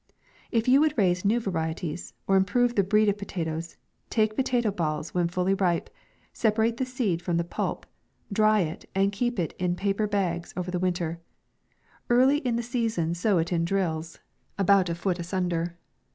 If you would raise new varieties, or im prove the breed of potatoes, take potatoe balls when fully ripe, separate the seed from the pulp, dry it and keep it in paper bags over winter. Early in the season sow it in drills. MAY. 109 about a foot asunder.